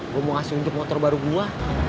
gue mau kasih untuk motor baru gue